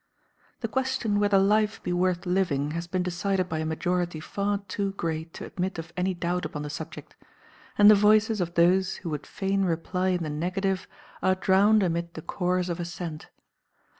The question whether life be worth living has been decided by a majority far too great to admit of any doubt upon the subject, and the voices of those who would fain reply in the negative are drowned amid the chorus of assent.